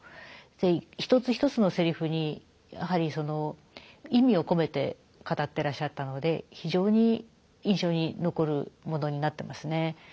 一つ一つのせりふにやはりその意味を込めて語ってらっしゃったので非常に印象に残るものになってますね。